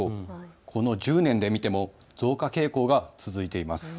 この１０年で見ても増加傾向が続いています。